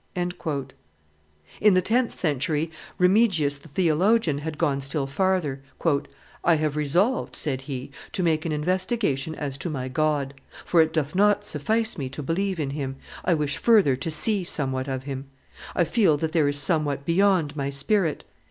'" In the tenth century, Remigius the theologian had gone still farther: "I have resolved," said he, "to make an investigation as to my God; for it doth not suffice me to believe in Him; I wish further to see somewhat of Him. I feel that there is somewhat beyond my spirit.